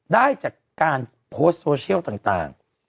ได้จากการโพสต์โซเชียลต่าง